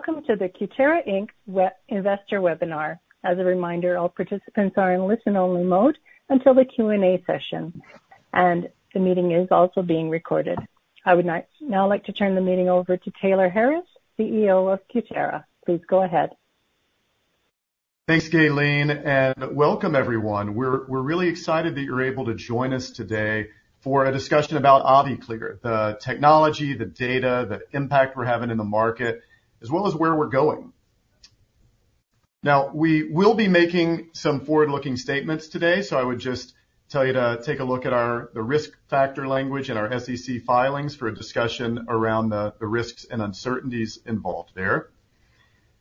Welcome to the Cutera, Inc. Investor Webinar. As a reminder, all participants are in listen-only mode until the Q&A session, and the meeting is also being recorded. I would now like to turn the meeting over to Taylor Harris, CEO of Cutera. Please go ahead. Thanks, Gaylene, and welcome, everyone. We're really excited that you're able to join us today for a discussion about AviClear, the technology, the data, the impact we're having in the market, as well as where we're going. Now, we will be making some forward-looking statements today, so I would just tell you to take a look at our risk factor language and our SEC filings for a discussion around the risks and uncertainties involved there.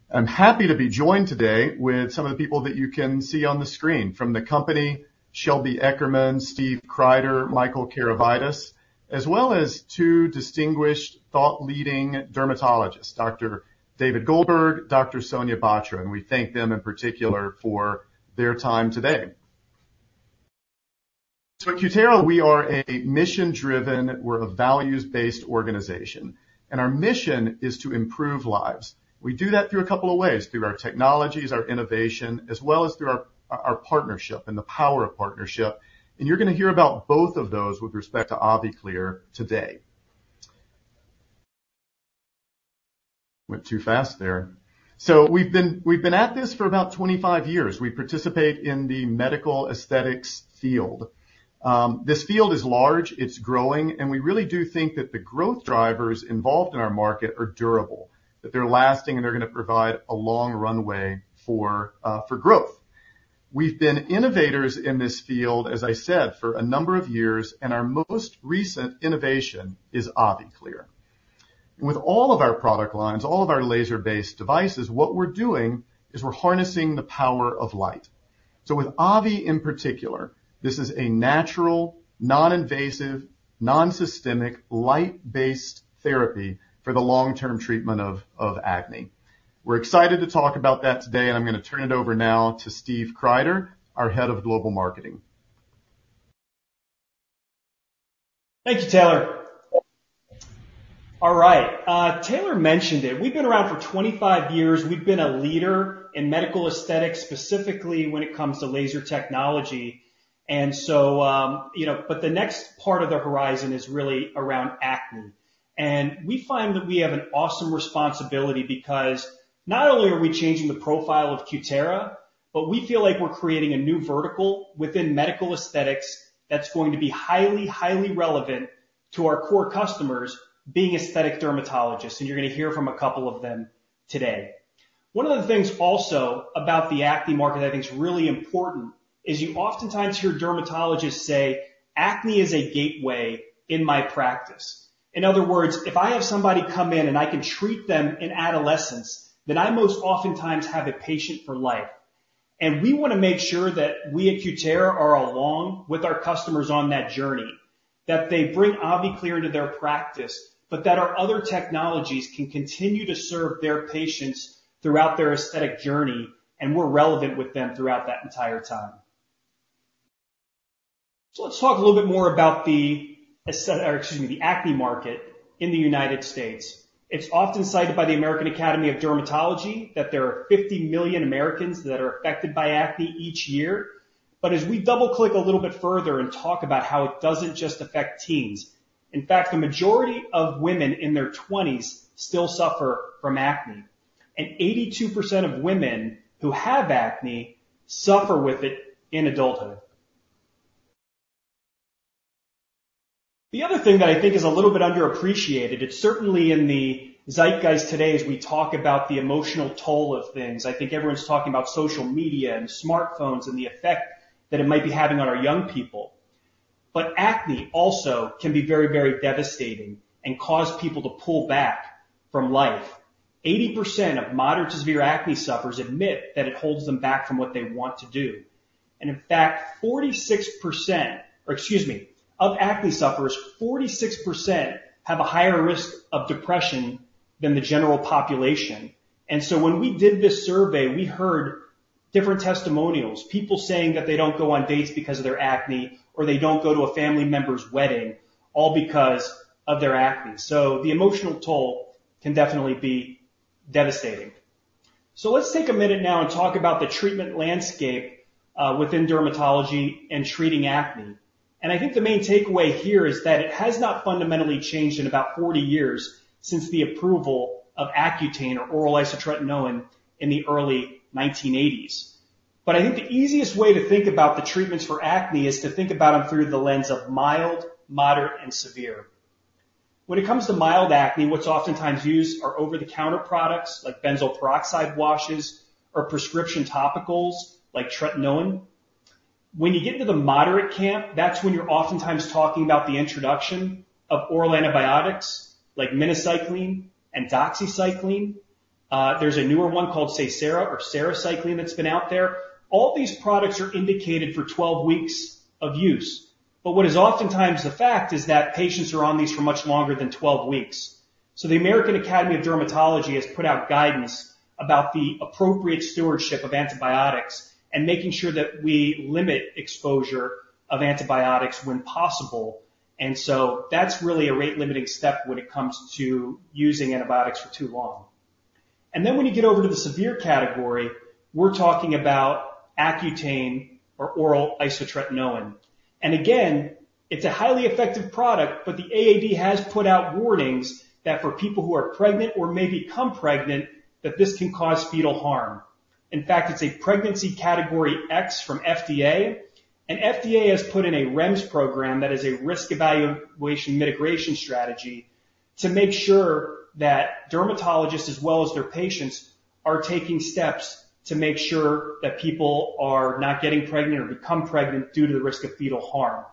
I'm happy to be joined today with some of the people that you can see on the screen, from the company, Shelby Eckerman, Steve Kreider, Michael Karavitis, as well as two distinguished, thought-leading dermatologists, Dr. David Goldberg, Dr. Sonia Batra, and we thank them in particular for their time today. So at Cutera, we are a mission-driven, we're a values-based organization, and our mission is to improve lives. We do that through a couple of ways: through our technologies, our innovation, as well as through our partnership and the power of partnership. And you're going to hear about both of those with respect to AviClear today. Went too fast there. So we've been at this for about 25 years. We participate in the medical aesthetics field. This field is large, it's growing, and we really do think that the growth drivers involved in our market are durable, that they're lasting and they're going to provide a long runway for growth. We've been innovators in this field, as I said, for a number of years, and our most recent innovation is AviClear. With all of our product lines, all of our laser-based devices, what we're doing is we're harnessing the power of light. So with Avi in particular, this is a natural, non-invasive, non-systemic, light-based therapy for the long-term treatment of acne. We're excited to talk about that today, and I'm going to turn it over now to Steve Kreider, our head of global marketing. Thank you, Taylor. All right, Taylor mentioned it. We've been around for 25 years. We've been a leader in medical aesthetics, specifically when it comes to laser technology. And so, but the next part of the horizon is really around acne. And we find that we have an awesome responsibility because not only are we changing the profile of Cutera, but we feel like we're creating a new vertical within medical aesthetics that's going to be highly, highly relevant to our core customers being aesthetic dermatologists. And you're going to hear from a couple of them today. One of the things also about the acne market I think is really important is you oftentimes hear dermatologists say, "Acne is a gateway in my practice." In other words, if I have somebody come in and I can treat them in adolescence, then I most oftentimes have a patient for life. We want to make sure that we at Cutera are along with our customers on that journey, that they bring AviClear into their practice, but that our other technologies can continue to serve their patients throughout their aesthetic journey and we're relevant with them throughout that entire time. Let's talk a little bit more about the acne market in the United States. It's often cited by the American Academy of Dermatology that there are 50 million Americans that are affected by acne each year. As we double-click a little bit further and talk about how it doesn't just affect teens, in fact, the majority of women in their 20s still suffer from acne. 82% of women who have acne suffer with it in adulthood. The other thing that I think is a little bit underappreciated, it's certainly in the zeitgeist today as we talk about the emotional toll of things. I think everyone's talking about social media and smartphones and the effect that it might be having on our young people. But acne also can be very, very devastating and cause people to pull back from life. 80% of moderate to severe acne sufferers admit that it holds them back from what they want to do. And in fact, 46%, or excuse me, of acne sufferers, 46% have a higher risk of depression than the general population. And so when we did this survey, we heard different testimonials, people saying that they don't go on dates because of their acne or they don't go to a family member's wedding, all because of their acne. So the emotional toll can definitely be devastating. So let's take a minute now and talk about the treatment landscape within dermatology and treating acne. I think the main takeaway here is that it has not fundamentally changed in about 40 years since the approval of Accutane or oral isotretinoin in the early 1980s. I think the easiest way to think about the treatments for acne is to think about them through the lens of mild, moderate, and severe. When it comes to mild acne, what's oftentimes used are over-the-counter products like benzoyl peroxide washes or prescription topicals like tretinoin. When you get into the moderate camp, that's when you're oftentimes talking about the introduction of oral antibiotics like minocycline and doxycycline. There's a newer one called sarecycline that's been out there. All these products are indicated for 12 weeks of use. But what is oftentimes the fact is that patients are on these for much longer than 12 weeks. So the American Academy of Dermatology has put out guidance about the appropriate stewardship of antibiotics and making sure that we limit exposure of antibiotics when possible. And so that's really a rate-limiting step when it comes to using antibiotics for too long. And then when you get over to the severe category, we're talking about Accutane or oral isotretinoin. And again, it's a highly effective product, but the AAD has put out warnings that for people who are pregnant or may become pregnant, that this can cause fetal harm. In fact, it's a pregnancy Category X from FDA. FDA has put in a REMS program that is a risk evaluation mitigation strategy to make sure that dermatologists, as well as their patients, are taking steps to make sure that people are not getting pregnant or become pregnant due to the risk of fetal harm.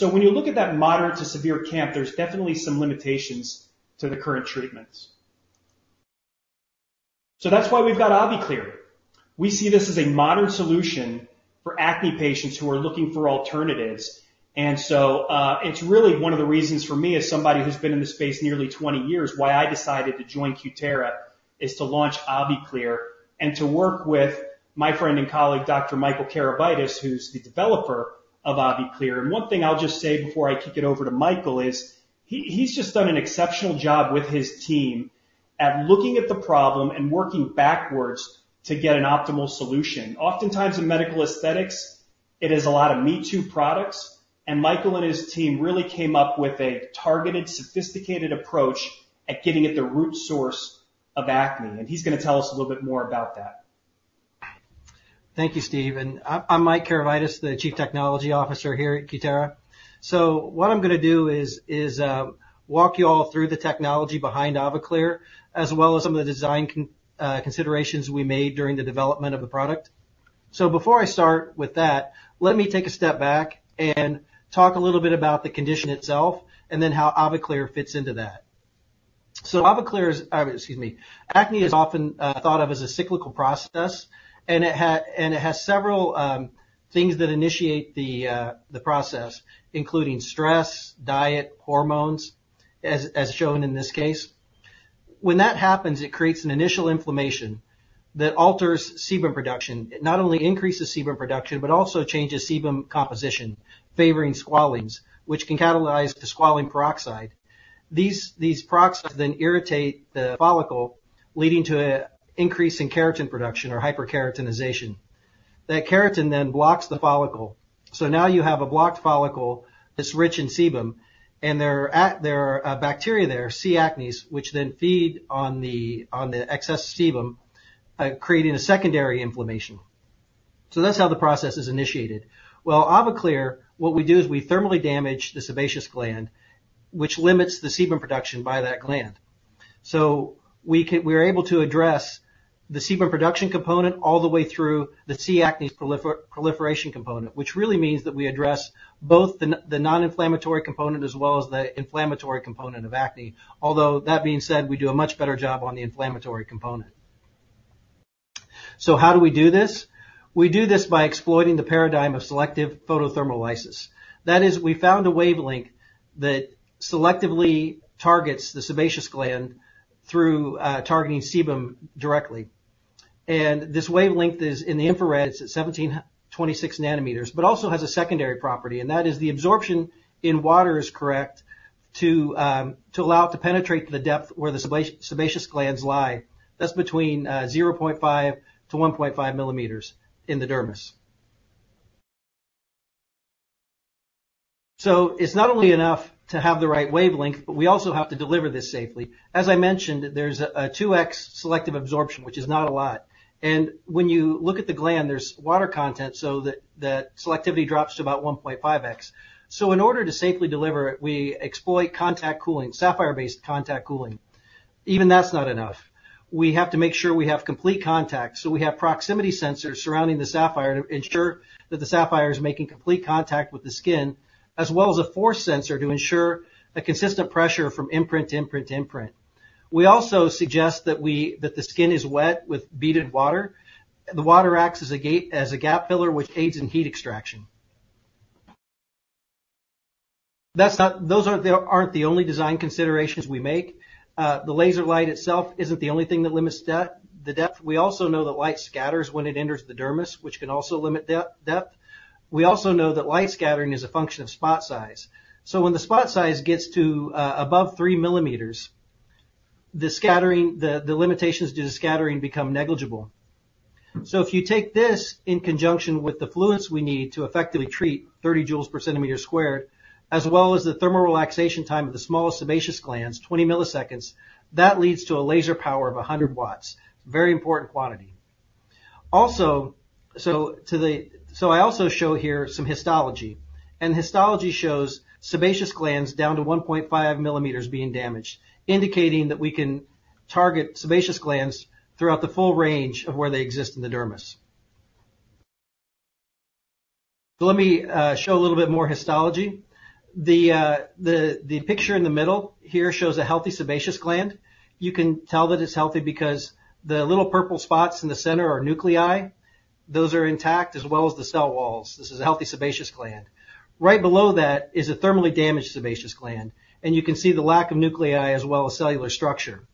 When you look at that moderate to severe camp, there's definitely some limitations to the current treatments. That's why we've got AviClear. We see this as a modern solution for acne patients who are looking for alternatives. It's really one of the reasons for me, as somebody who's been in the space nearly 20 years, why I decided to join Cutera is to launch AviClear and to work with my friend and colleague, Dr. Michael Karavitis, who's the developer of AviClear. And one thing I'll just say before I kick it over to Michael is he's just done an exceptional job with his team at looking at the problem and working backwards to get an optimal solution. Oftentimes in medical aesthetics, it is a lot of me-too products. And Michael and his team really came up with a targeted, sophisticated approach at getting at the root source of acne. And he's going to tell us a little bit more about that. Thank you, Steve. I'm Mike Karavitis, the Chief Technology Officer here at Cutera. What I'm going to do is walk you all through the technology behind AviClear, as well as some of the design considerations we made during the development of the product. Before I start with that, let me take a step back and talk a little bit about the condition itself and then how AviClear fits into that. AviClear's, excuse me, acne is often thought of as a cyclical process, and it has several things that initiate the process, including stress, diet, hormones, as shown in this case. When that happens, it creates an initial inflammation that alters sebum production. It not only increases sebum production, but also changes sebum composition, favoring squalene, which can catalyze the squalene peroxide. These peroxides then irritate the follicle, leading to an increase in keratin production or hyperkeratinization. That keratin then blocks the follicle. So now you have a blocked follicle that's rich in sebum, and there are bacteria there, C. acnes, which then feed on the excess sebum, creating a secondary inflammation. So that's how the process is initiated. Well, AviClear, what we do is we thermally damage the sebaceous gland, which limits the sebum production by that gland. So we're able to address the sebum production component all the way through the C. acnes proliferation component, which really means that we address both the non-inflammatory component as well as the inflammatory component of acne. Although that being said, we do a much better job on the inflammatory component. So how do we do this? We do this by exploiting the paradigm of selective photothermolysis. That is, we found a wavelength that selectively targets the sebaceous gland through targeting sebum directly. This wavelength is in the infrared, it's at 1726 nanometers, but also has a secondary property, and that is the absorption in water is correct to allow it to penetrate to the depth where the sebaceous glands lie. That's between 0.5-1.5 millimeters in the dermis. So it's not only enough to have the right wavelength, but we also have to deliver this safely. As I mentioned, there's a 2x selective absorption, which is not a lot. And when you look at the gland, there's water content, so that selectivity drops to about 1.5x. So in order to safely deliver it, we exploit contact cooling, sapphire-based contact cooling. Even that's not enough. We have to make sure we have complete contact. So we have proximity sensors surrounding the sapphire to ensure that the sapphire is making complete contact with the skin, as well as a force sensor to ensure a consistent pressure from imprint to imprint to imprint. We also suggest that the skin is wet with beaded water. The water acts as a gap filler, which aids in heat extraction. Those aren't the only design considerations we make. The laser light itself isn't the only thing that limits the depth. We also know that light scatters when it enters the dermis, which can also limit depth. We also know that light scattering is a function of spot size. So when the spot size gets to above three millimeters, the limitations due to scattering become negligible. So if you take this in conjunction with the fluids we need to effectively treat 30 joules per centimeter squared, as well as the thermal relaxation time of the smallest sebaceous glands, 20 milliseconds, that leads to a laser power of 100 watts. Very important quantity. Also, so I also show here some histology. And histology shows sebaceous glands down to 1.5 millimeters being damaged, indicating that we can target sebaceous glands throughout the full range of where they exist in the dermis. So let me show a little bit more histology. The picture in the middle here shows a healthy sebaceous gland. You can tell that it's healthy because the little purple spots in the center are nuclei. Those are intact as well as the cell walls. This is a healthy sebaceous gland. Right below that is a thermally damaged sebaceous gland. You can see the lack of nuclei as well as cellular structure.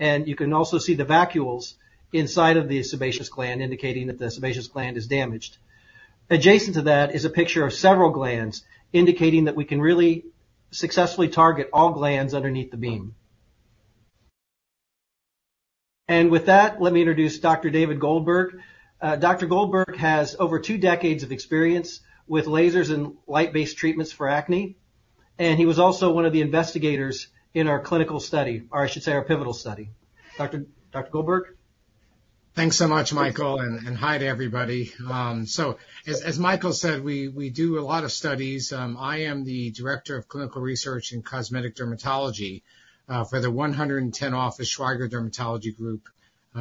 You can also see the vacuoles inside of the sebaceous gland, indicating that the sebaceous gland is damaged. Adjacent to that is a picture of several glands, indicating that we can really successfully target all glands underneath the beam. With that, let me introduce Dr. David Goldberg. Dr. Goldberg has over two decades of experience with lasers and light-based treatments for acne. He was also one of the investigators in our clinical study, or I should say our pivotal study. Dr. Goldberg. Thanks so much, Michael. And hi to everybody. So as Michael said, we do a lot of studies. I am the director of clinical research in cosmetic dermatology for the 110-office Schweiger Dermatology Group.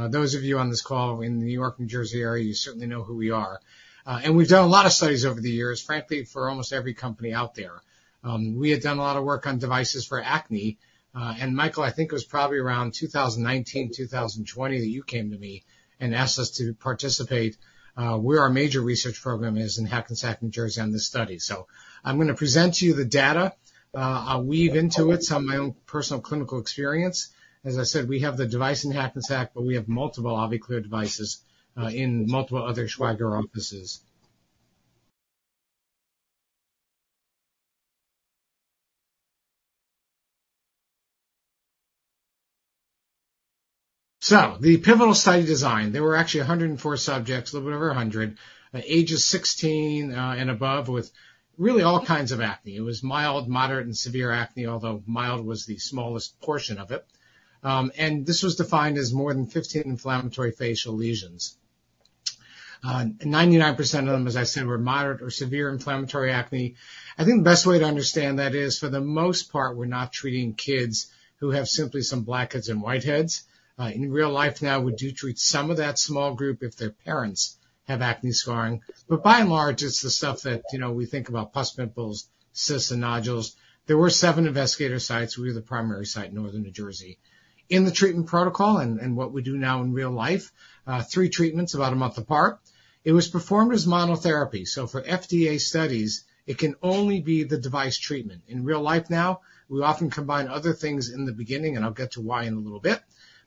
Those of you on this call in the New York, New Jersey area, you certainly know who we are. And we've done a lot of studies over the years, frankly, for almost every company out there. We had done a lot of work on devices for acne. And Michael, I think it was probably around 2019, 2020 that you came to me and asked us to participate, where our major research program is in Hackensack, New Jersey, on this study. So I'm going to present to you the data. I'll weave into it some of my own personal clinical experience. As I said, we have the device in Hackensack, but we have multiple AviClear devices in multiple other Schweiger offices. So the pivotal study design, there were actually 104 subjects, a little bit over 100, ages 16 and above with really all kinds of acne. It was mild, moderate, and severe acne, although mild was the smallest portion of it. And this was defined as more than 15 inflammatory facial lesions. 99% of them, as I said, were moderate or severe inflammatory acne. I think the best way to understand that is, for the most part, we're not treating kids who have simply some blackheads and whiteheads. In real life now, we do treat some of that small group if their parents have acne scarring. But by and large, it's the stuff that we think about pus pimples, cysts, and nodules. There were 7 investigator sites. We were the primary site in northern New Jersey. In the treatment protocol and what we do now in real life, 3 treatments about a month apart, it was performed as monotherapy. So for FDA studies, it can only be the device treatment. In real life now, we often combine other things in the beginning, and I'll get to why in a little bit.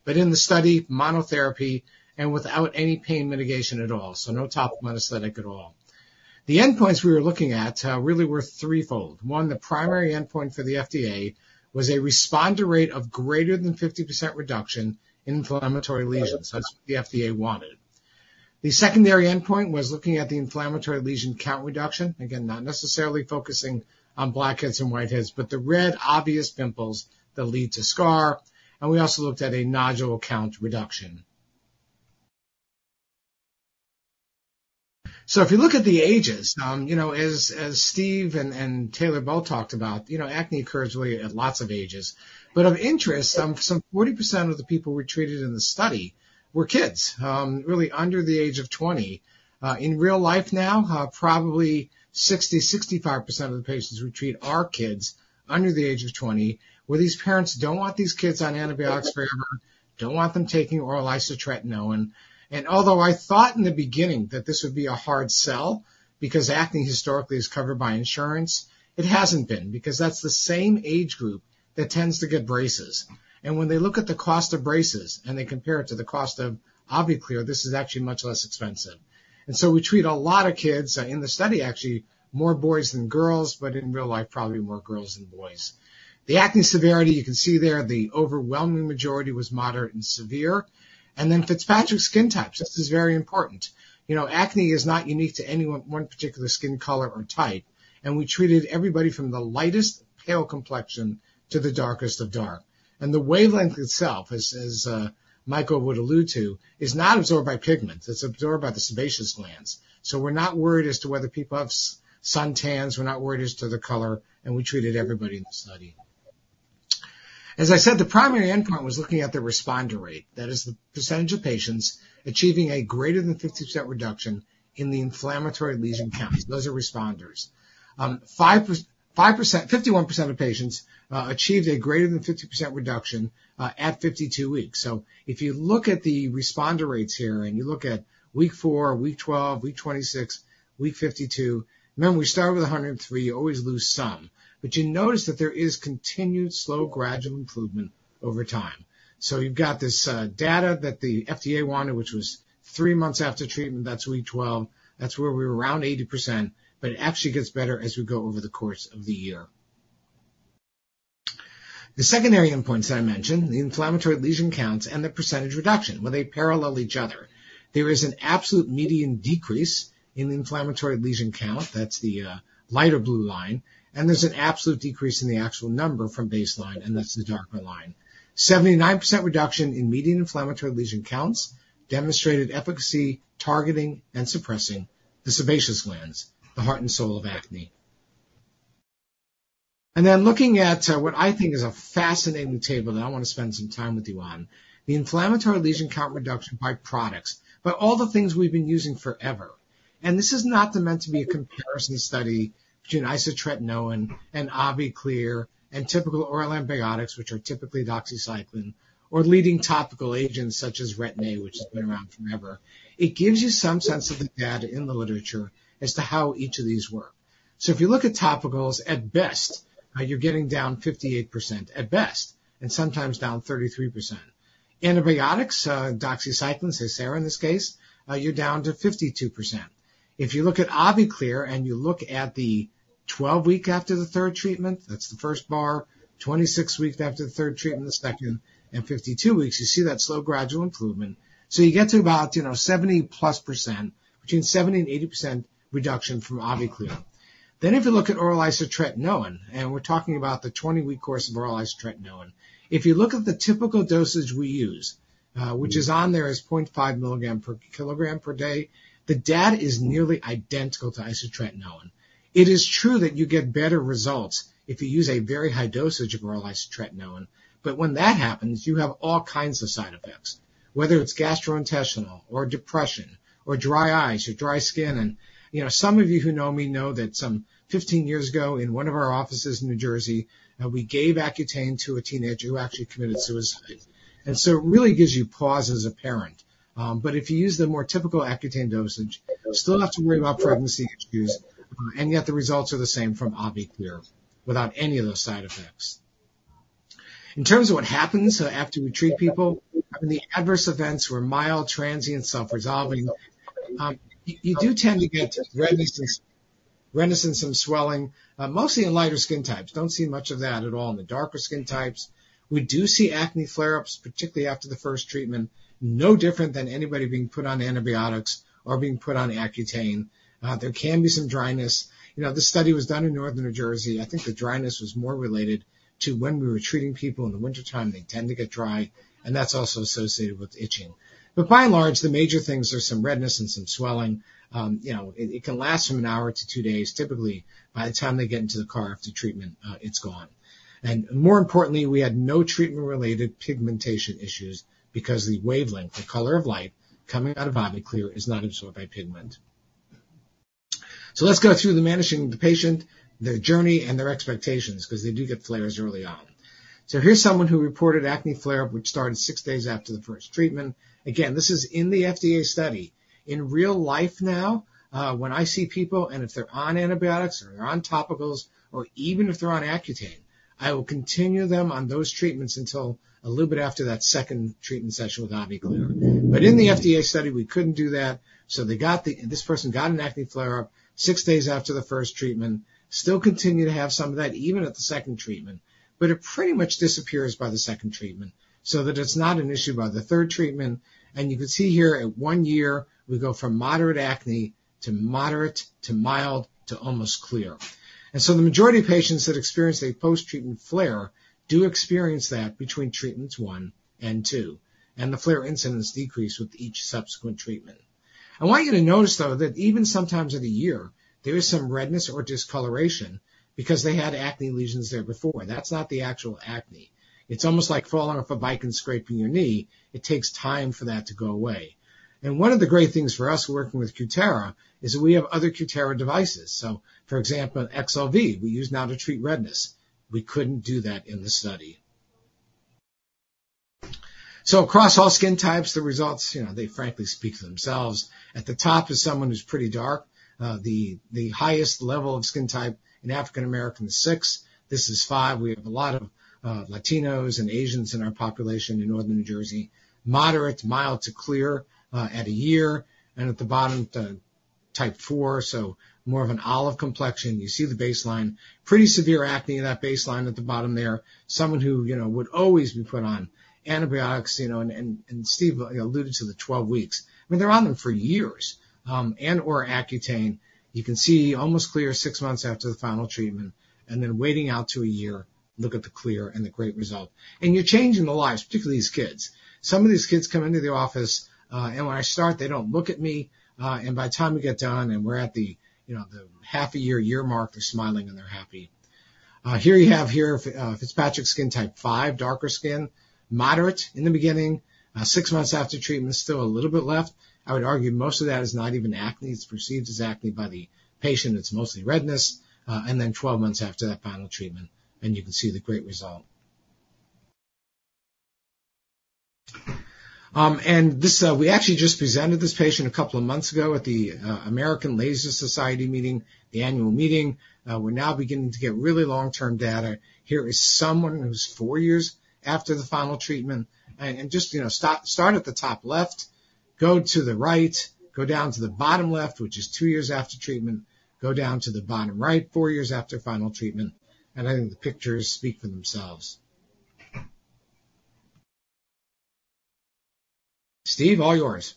But in the study, monotherapy and without any pain mitigation at all, so no topical anesthetic at all. The endpoints we were looking at really were threefold. 1, the primary endpoint for the FDA was a responder rate of greater than 50% reduction in inflammatory lesions. That's what the FDA wanted. The secondary endpoint was looking at the inflammatory lesion count reduction, again, not necessarily focusing on blackheads and whiteheads, but the red obvious pimples that lead to scar. We also looked at a nodule count reduction. So if you look at the ages, as Steve and Taylor both talked about, acne occurs really at lots of ages. But of interest, some 40% of the people we treated in the study were kids, really under the age of 20. In real life now, probably 60%-65% of the patients we treat are kids under the age of 20, where these parents don't want these kids on antibiotics forever, don't want them taking oral isotretinoin. And although I thought in the beginning that this would be a hard sell because acne historically is covered by insurance, it hasn't been because that's the same age group that tends to get braces. And when they look at the cost of braces and they compare it to the cost of AviClear, this is actually much less expensive. We treat a lot of kids. In the study, actually, more boys than girls, but in real life, probably more girls than boys. The acne severity, you can see there, the overwhelming majority was moderate and severe. Fitzpatrick skin types, this is very important. Acne is not unique to any one particular skin color or type. We treated everybody from the lightest pale complexion to the darkest of dark. The wavelength itself, as Michael would allude to, is not absorbed by pigments. It's absorbed by the sebaceous glands. We're not worried as to whether people have sun tans. We're not worried as to the color. We treated everybody in the study. As I said, the primary endpoint was looking at the responder rate. That is the percentage of patients achieving a greater than 50% reduction in the inflammatory lesion count. Those are responders. 51% of patients achieved a greater than 50% reduction at 52 weeks. So if you look at the responder rates here and you look at week 4, week 12, week 26, week 52, remember we started with 103, you always lose some. But you notice that there is continued slow, gradual improvement over time. So you've got this data that the FDA wanted, which was three months after treatment, that's week 12. That's where we were around 80%, but it actually gets better as we go over the course of the year. The secondary endpoints that I mentioned, the inflammatory lesion counts and the percentage reduction, where they parallel each other. There is an absolute median decrease in the inflammatory lesion count. That's the lighter blue line. And there's an absolute decrease in the actual number from baseline, and that's the darker line. 79% reduction in median inflammatory lesion counts demonstrated efficacy targeting and suppressing the sebaceous glands, the heart and soul of acne. Then looking at what I think is a fascinating table that I want to spend some time with you on, the inflammatory lesion count reduction by products, by all the things we've been using forever. This is not meant to be a comparison study between isotretinoin and AviClear and typical oral antibiotics, which are typically doxycycline or leading topical agents such as Retin-A, which has been around forever. It gives you some sense of the data in the literature as to how each of these work. So if you look at topicals, at best, you're getting down 58%, at best, and sometimes down 33%. Antibiotics, doxycycline, Stewart in this case, you're down to 52%. If you look at AviClear and you look at the 12-week after the third treatment, that's the first bar, 26 weeks after the third treatment, the second, and 52 weeks, you see that slow, gradual improvement. So you get to about 70%+, between 70% and 80% reduction from AviClear. Then if you look at oral isotretinoin, and we're talking about the 20-week course of oral isotretinoin, if you look at the typical dosage we use, which is on there as 0.5 milligram per kilogram per day, the data is nearly identical to isotretinoin. It is true that you get better results if you use a very high dosage of oral isotretinoin. But when that happens, you have all kinds of side effects, whether it's gastrointestinal or depression or dry eyes or dry skin. Some of you who know me know that some 15 years ago in one of our offices in New Jersey, we gave Accutane to a teenager who actually committed suicide. So it really gives you pause as a parent. But if you use the more typical Accutane dosage, still have to worry about pregnancy issues. And yet the results are the same from AviClear without any of those side effects. In terms of what happens after we treat people, the adverse events were mild, transient, self-resolving. You do tend to get some swelling, mostly in lighter skin types. Don't see much of that at all in the darker skin types. We do see acne flare-ups, particularly after the first treatment, no different than anybody being put on antibiotics or being put on Accutane. There can be some dryness. This study was done in northern New Jersey. I think the dryness was more related to when we were treating people in the wintertime. They tend to get dry, and that's also associated with itching. But by and large, the major things are some redness and some swelling. It can last from an hour to two days. Typically, by the time they get into the car after treatment, it's gone. And more importantly, we had no treatment-related pigmentation issues because the wavelength, the color of light coming out of AviClear, is not absorbed by pigment. So let's go through the managing of the patient, their journey, and their expectations because they do get flares early on. So here's someone who reported acne flare-up, which started six days after the first treatment. Again, this is in the FDA study. In real life now, when I see people, and if they're on antibiotics or they're on topicals, or even if they're on Accutane, I will continue them on those treatments until a little bit after that second treatment session with AviClear. But in the FDA study, we couldn't do that. So this person got an acne flare-up six days after the first treatment, still continued to have some of that even at the second treatment, but it pretty much disappears by the second treatment so that it's not an issue by the third treatment. And you can see here at one year, we go from moderate acne to moderate to mild to almost clear. And so the majority of patients that experience a post-treatment flare do experience that between treatments one and two. And the flare incidence decreased with each subsequent treatment. I want you to notice, though, that even sometimes in a year, there is some redness or discoloration because they had acne lesions there before. That's not the actual acne. It's almost like falling off a bike and scraping your knee. It takes time for that to go away. And one of the great things for us working with Cutera is that we have other Cutera devices. So for example, excel V, we use now to treat redness. We couldn't do that in the study. So across all skin types, the results, they frankly speak for themselves. At the top is someone who's pretty dark. The highest level of skin type in African-American is 6. This is 5. We have a lot of Latinos and Asians in our population in northern New Jersey. Moderate, mild to clear at a year. At the bottom, type 4, so more of an olive complexion. You see the baseline. Pretty severe acne in that baseline at the bottom there. Someone who would always be put on antibiotics. And Steve alluded to the 12 weeks. I mean, they're on them for years and/or Accutane. You can see almost clear 6 months after the final treatment. And then waiting out to 1 year, look at the clear and the great result. And you're changing the lives, particularly these kids. Some of these kids come into the office, and when I start, they don't look at me. And by the time we get done and we're at the half a year, 1-year mark, they're smiling and they're happy. Here you have here Fitzpatrick skin type 5, darker skin, moderate in the beginning. 6 months after treatment, still a little bit left. I would argue most of that is not even acne. It's perceived as acne by the patient. It's mostly redness. And then, 12 months after that final treatment, and you can see the great result. And we actually just presented this patient a couple of months ago at the American Laser Society meeting, the annual meeting. We're now beginning to get really long-term data. Here is someone who's 4 years after the final treatment. And just start at the top left, go to the right, go down to the bottom left, which is 2 years after treatment, go down to the bottom right, 4 years after final treatment. And I think the pictures speak for themselves. Steve, all yours.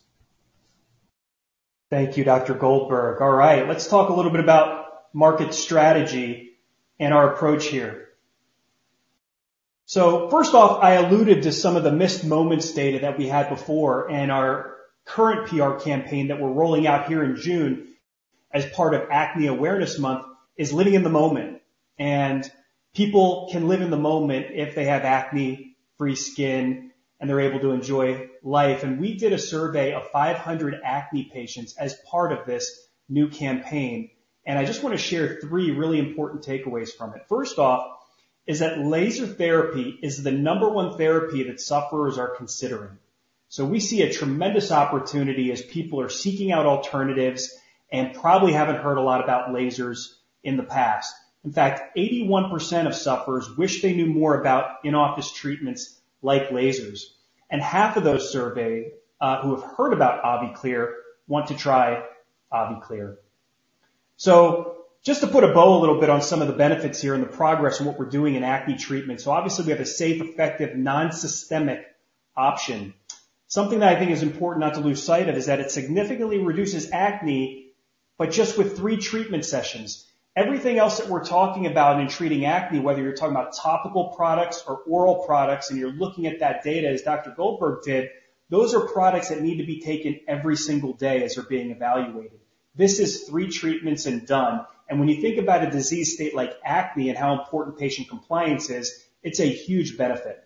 Thank you, Dr. Goldberg. All right. Let's talk a little bit about market strategy and our approach here. So first off, I alluded to some of the missed moments data that we had before and our current PR campaign that we're rolling out here in June as part of Acne Awareness Month is living in the moment. People can live in the moment if they have acne-free skin and they're able to enjoy life. We did a survey of 500 acne patients as part of this new campaign. I just want to share three really important takeaways from it. First off is that laser therapy is the number one therapy that sufferers are considering. We see a tremendous opportunity as people are seeking out alternatives and probably haven't heard a lot about lasers in the past. In fact, 81% of sufferers wish they knew more about in-office treatments like lasers. Half of those surveyed who have heard about AviClear want to try AviClear. Just to put a bow a little bit on some of the benefits here and the progress and what we're doing in acne treatment. Obviously, we have a safe, effective, non-systemic option. Something that I think is important not to lose sight of is that it significantly reduces acne, but just with 3 treatment sessions. Everything else that we're talking about in treating acne, whether you're talking about topical products or oral products, and you're looking at that data as Dr. Goldberg did, those are products that need to be taken every single day as they're being evaluated. This is 3 treatments and done. When you think about a disease state like acne and how important patient compliance is, it's a huge benefit.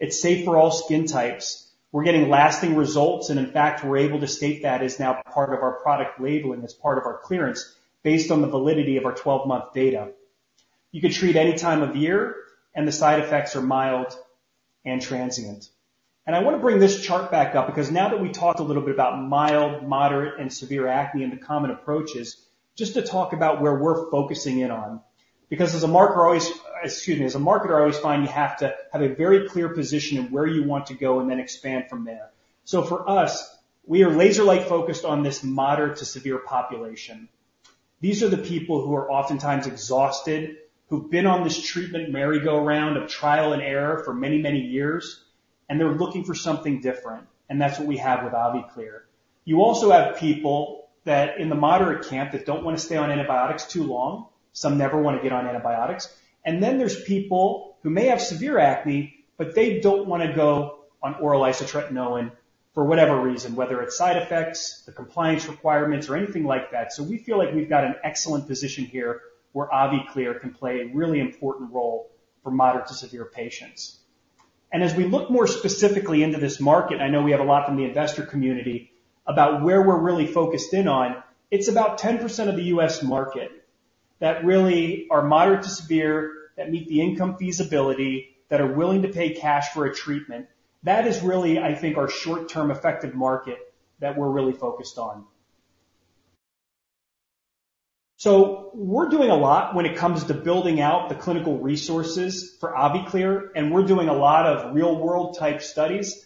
It's safe for all skin types. We're getting lasting results. In fact, we're able to state that as now part of our product labeling as part of our clearance based on the validity of our 12-month data. You can treat any time of year, and the side effects are mild and transient. I want to bring this chart back up because now that we talked a little bit about mild, moderate, and severe acne and the common approaches, just to talk about where we're focusing in on. Because as a marker, excuse me, as a marketer, I always find you have to have a very clear position of where you want to go and then expand from there. For us, we are laser-like focused on this moderate to severe population. These are the people who are oftentimes exhausted, who've been on this treatment merry-go-round of trial and error for many, many years, and they're looking for something different. And that's what we have with AviClear. You also have people that in the moderate camp that don't want to stay on antibiotics too long. Some never want to get on antibiotics. And then there's people who may have severe acne, but they don't want to go on oral isotretinoin for whatever reason, whether it's side effects, the compliance requirements, or anything like that. So we feel like we've got an excellent position here where AviClear can play a really important role for moderate to severe patients. And as we look more specifically into this market, I know we have a lot from the investor community about where we're really focused in on. It's about 10% of the U.S. market that really are moderate to severe that meet the income feasibility that are willing to pay cash for a treatment. That is really, I think, our short-term effective market that we're really focused on. So we're doing a lot when it comes to building out the clinical resources for AviClear, and we're doing a lot of real-world type studies.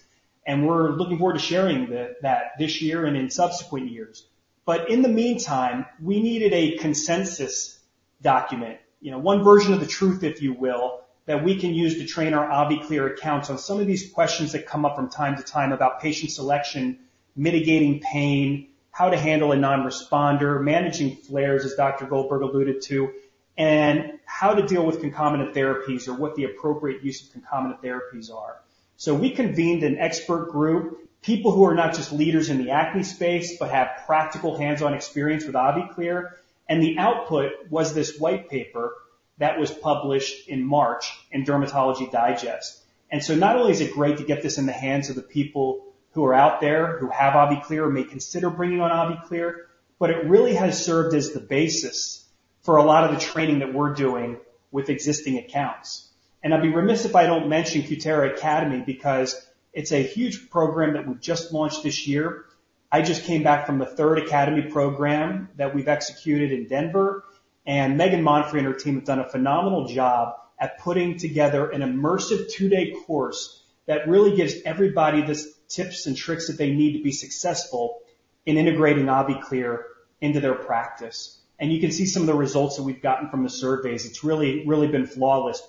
And we're looking forward to sharing that this year and in subsequent years. But in the meantime, we needed a consensus document, one version of the truth, if you will, that we can use to train our AviClear accounts on some of these questions that come up from time to time about patient selection, mitigating pain, how to handle a non-responder, managing flares, as Dr. Goldberg alluded to, and how to deal with concomitant therapies or what the appropriate use of concomitant therapies are. So we convened an expert group, people who are not just leaders in the acne space, but have practical hands-on experience with AviClear. The output was this white paper that was published in March in Dermatology Digest. So not only is it great to get this in the hands of the people who are out there who have AviClear may consider bringing on AviClear, but it really has served as the basis for a lot of the training that we're doing with existing accounts. I'd be remiss if I don't mention Cutera Academy because it's a huge program that we've just launched this year. I just came back from the third academy program that we've executed in Denver. Megan Monfre and her team have done a phenomenal job at putting together an immersive two-day course that really gives everybody the tips and tricks that they need to be successful in integrating AviClear into their practice. You can see some of the results that we've gotten from the surveys. It's really, really been flawless.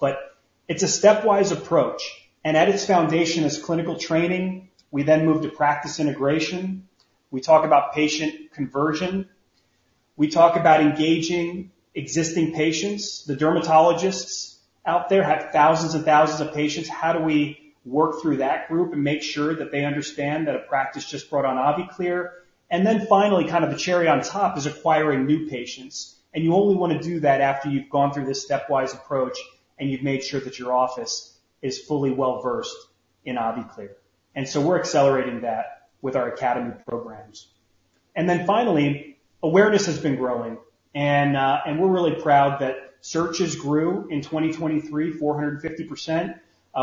It's a stepwise approach. At its foundation is clinical training. We then moved to practice integration. We talk about patient conversion. We talk about engaging existing patients. The dermatologists out there have thousands and thousands of patients. How do we work through that group and make sure that they understand that a practice just brought on AviClear? Then finally, kind of the cherry on top is acquiring new patients. You only want to do that after you've gone through this stepwise approach and you've made sure that your office is fully well-versed in AviClear. So we're accelerating that with our academy programs. Then finally, awareness has been growing. We're really proud that searches grew in 2023, 450%.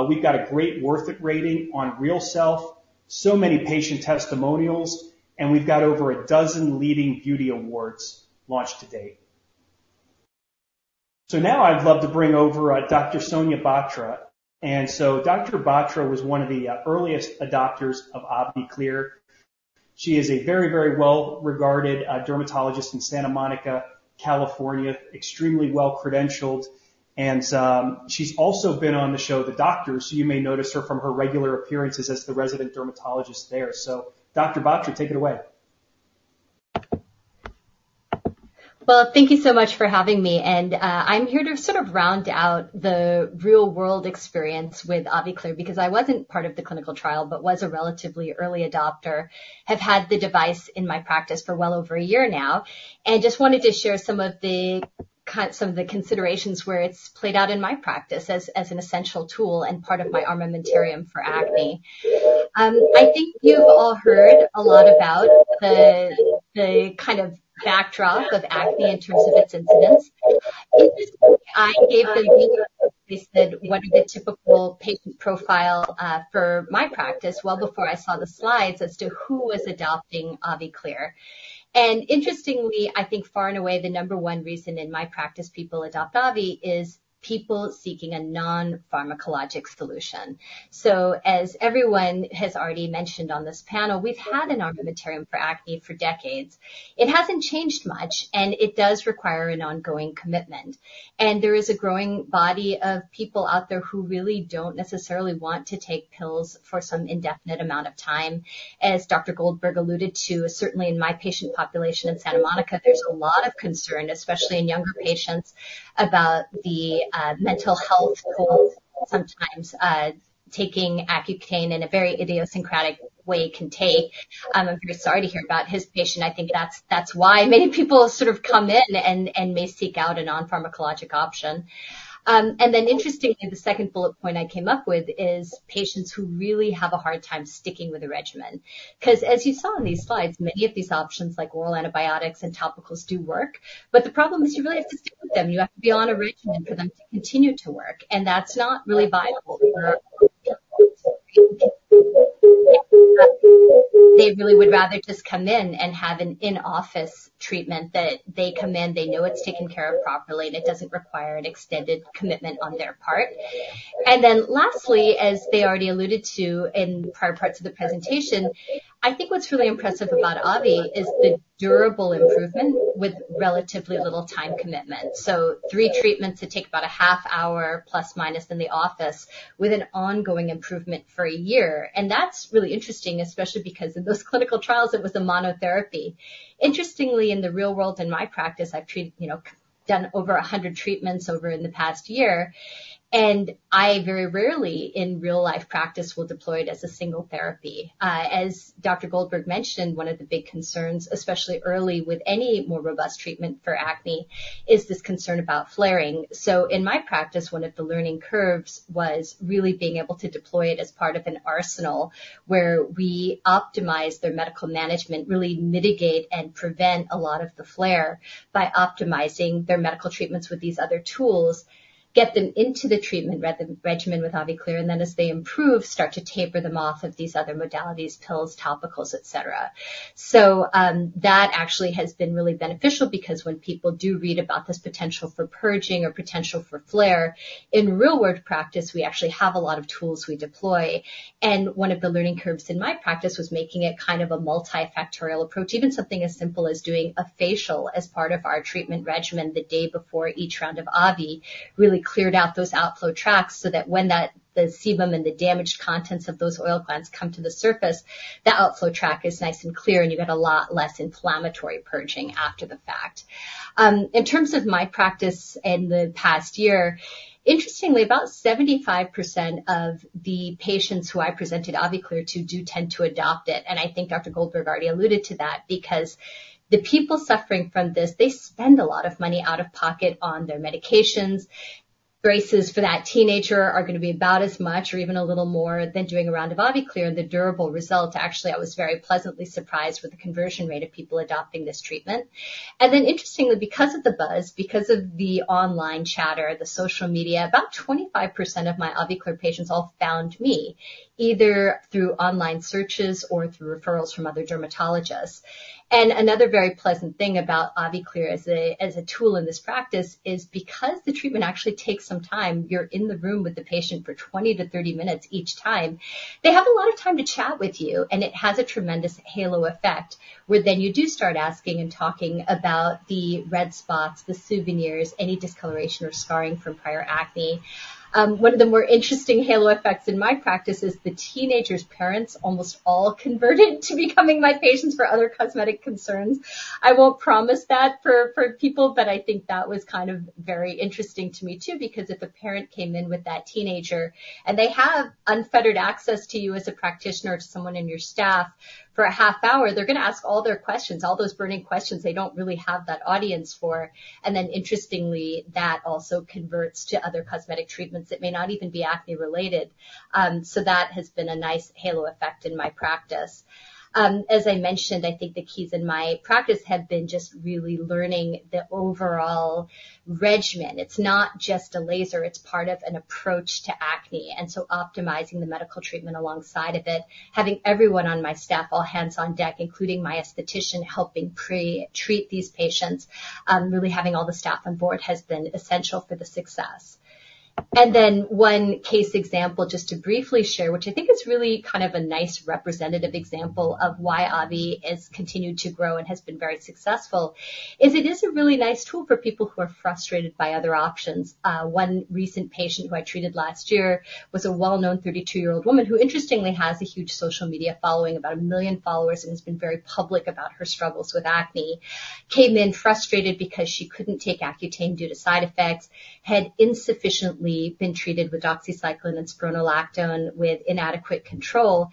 We've got a great Worth It rating on RealSelf, so many patient testimonials, and we've got over a dozen leading beauty awards launched to date. So now I'd love to bring over Dr. Sonia Batra. Dr. Batra was one of the earliest adopters of AviClear. She is a very, very well-regarded dermatologist in Santa Monica, California, extremely well-credentialed. She's also been on the show, The Doctors, so you may notice her from her regular appearances as the resident dermatologist there. Dr. Batra, take it away. Well, thank you so much for having me. I'm here to sort of round out the real-world experience with AviClear because I wasn't part of the clinical trial, but was a relatively early adopter, have had the device in my practice for well over a year now, and just wanted to share some of the considerations where it's played out in my practice as an essential tool and part of my armamentarium for acne. I think you've all heard a lot about the kind of backdrop of acne in terms of its incidence. I gave the leading case that one of the typical patient profiles for my practice well before I saw the slides as to who was adopting AviClear. Interestingly, I think far and away the number one reason in my practice people adopt AviClear is people seeking a non-pharmacologic solution. So as everyone has already mentioned on this panel, we've had an armamentarium for acne for decades. It hasn't changed much, and it does require an ongoing commitment. There is a growing body of people out there who really don't necessarily want to take pills for some indefinite amount of time. As Dr. Goldberg alluded to, certainly in my patient population in Santa Monica, there's a lot of concern, especially in younger patients, about the mental health goals sometimes taking Accutane in a very idiosyncratic way can take. I'm very sorry to hear about his patient. I think that's why many people sort of come in and may seek out a non-pharmacologic option. Then interestingly, the second bullet point I came up with is patients who really have a hard time sticking with a regimen. Because as you saw in these slides, many of these options like oral antibiotics and topicals do work. But the problem is you really have to stick with them. You have to be on a regimen for them to continue to work. And that's not really viable for many people. They really would rather just come in and have an in-office treatment that they come in, they know it's taken care of properly, and it doesn't require an extended commitment on their part. And then lastly, as they already alluded to in prior parts of the presentation, I think what's really impressive about Avi is the durable improvement with relatively little time commitment. So three treatments that take about a half hour, plus minus, in the office with an ongoing improvement for a year. And that's really interesting, especially because in those clinical trials, it was a monotherapy. Interestingly, in the real world in my practice, I've done over 100 treatments over in the past year. I very rarely in real-life practice will deploy it as a single therapy. As Dr. Goldberg mentioned, one of the big concerns, especially early with any more robust treatment for acne, is this concern about flaring. So in my practice, one of the learning curves was really being able to deploy it as part of an arsenal where we optimize their medical management, really mitigate and prevent a lot of the flare by optimizing their medical treatments with these other tools, get them into the treatment regimen with AviClear, and then as they improve, start to taper them off of these other modalities, pills, topicals, etc. So that actually has been really beneficial because when people do read about this potential for purging or potential for flare, in real-world practice, we actually have a lot of tools we deploy. And one of the learning curves in my practice was making it kind of a multifactorial approach, even something as simple as doing a facial as part of our treatment regimen the day before each round of Avi really cleared out those outflow tracts so that when the sebum and the damaged contents of those oil glands come to the surface, that outflow tract is nice and clear, and you get a lot less inflammatory purging after the fact. In terms of my practice in the past year, interestingly, about 75% of the patients who I presented AviClear to do tend to adopt it. And I think Dr. Goldberg already alluded to that because the people suffering from this, they spend a lot of money out of pocket on their medications. Braces for that teenager are going to be about as much or even a little more than doing a round of AviClear. The durable result, actually, I was very pleasantly surprised with the conversion rate of people adopting this treatment. And then interestingly, because of the buzz, because of the online chatter, the social media, about 25% of my AviClear patients all found me either through online searches or through referrals from other dermatologists. Another very pleasant thing about AviClear as a tool in this practice is because the treatment actually takes some time, you're in the room with the patient for 20 to 30 minutes each time, they have a lot of time to chat with you, and it has a tremendous halo effect where then you do start asking and talking about the red spots, the souvenirs, any discoloration or scarring from prior acne. One of the more interesting halo effects in my practice is the teenagers' parents almost all converted to becoming my patients for other cosmetic concerns. I won't promise that for people, but I think that was kind of very interesting to me too because if a parent came in with that teenager and they have unfettered access to you as a practitioner to someone in your staff for a half hour, they're going to ask all their questions, all those burning questions they don't really have that audience for. And then interestingly, that also converts to other cosmetic treatments that may not even be acne-related. So that has been a nice halo effect in my practice. As I mentioned, I think the keys in my practice have been just really learning the overall regimen. It's not just a laser. It's part of an approach to acne. So optimizing the medical treatment alongside of it, having everyone on my staff all hands on deck, including my esthetician helping pre-treat these patients, really having all the staff on board has been essential for the success. Then one case example just to briefly share, which I think is really kind of a nice representative example of why Avi has continued to grow and has been very successful, is it is a really nice tool for people who are frustrated by other options. One recent patient who I treated last year was a well-known 32-year-old woman who interestingly has a huge social media following, about a million followers, and has been very public about her struggles with acne, came in frustrated because she couldn't take Accutane due to side effects, had insufficiently been treated with doxycycline and spironolactone with inadequate control.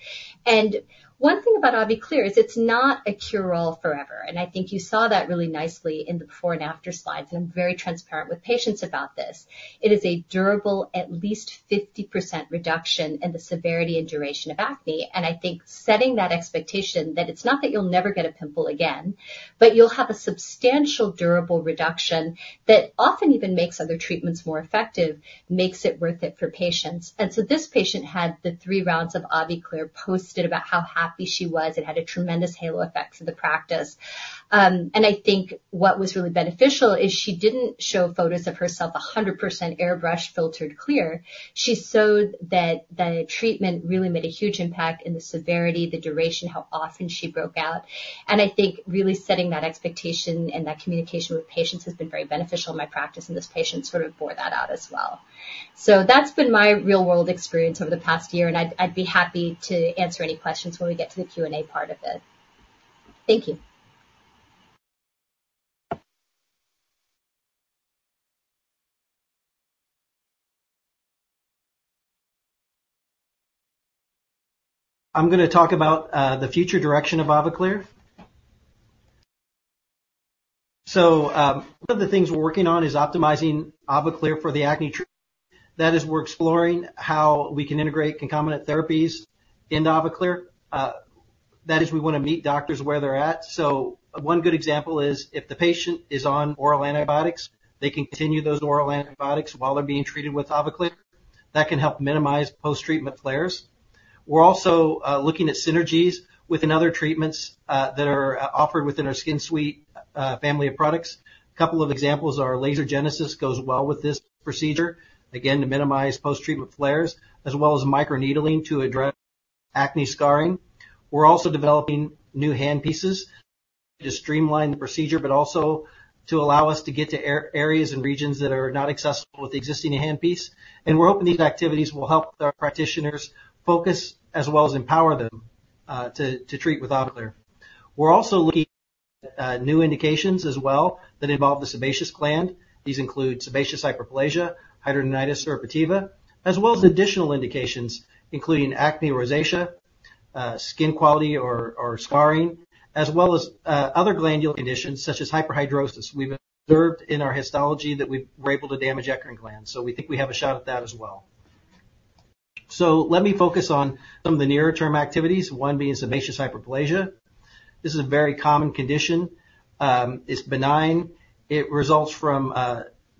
One thing about AviClear is it's not a cure-all forever. I think you saw that really nicely in the before and after slides. I'm very transparent with patients about this. It is a durable, at least 50% reduction in the severity and duration of acne. I think setting that expectation that it's not that you'll never get a pimple again, but you'll have a substantial durable reduction that often even makes other treatments more effective, makes it worth it for patients. This patient had the three rounds of AviClear, posted about how happy she was. It had a tremendous halo effect to the practice. I think what was really beneficial is she didn't show photos of herself 100% airbrush filtered clear. She showed that the treatment really made a huge impact in the severity, the duration, how often she broke out. I think really setting that expectation and that communication with patients has been very beneficial in my practice. This patient sort of bore that out as well. That's been my real-world experience over the past year. I'd be happy to answer any questions when we get to the Q&A part of it. Thank you. I'm going to talk about the future direction of AviClear. One of the things we're working on is optimizing AviClear for the acne treatment. That is, we're exploring how we can integrate concomitant therapies into AviClear. That is, we want to meet doctors where they're at. One good example is if the patient is on oral antibiotics, they can continue those oral antibiotics while they're being treated with AviClear. That can help minimize post-treatment flares. We're also looking at synergies within other treatments that are offered within our Skin Suite family of products. A couple of examples are Laser Genesis goes well with this procedure, again, to minimize post-treatment flares, as well as microneedling to address acne scarring. We're also developing new handpieces to streamline the procedure, but also to allow us to get to areas and regions that are not accessible with the existing handpiece. And we're hoping these activities will help our practitioners focus as well as empower them to treat with AviClear. We're also looking at new indications as well that involve the sebaceous gland. These include sebaceous hyperplasia, hidradenitis suppurativa, as well as additional indications including acne rosacea, skin quality or scarring, as well as other glandular conditions such as hyperhidrosis. We've observed in our histology that we were able to damage eccrine glands. So we think we have a shot at that as well. So let me focus on some of the nearer-term activities, one being sebaceous hyperplasia. This is a very common condition. It's benign. It results from